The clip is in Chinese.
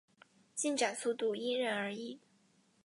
进展速度因人而异。